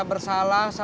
hi ni perpanjangjedin